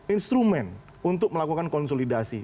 instrumen untuk melakukan konsolidasi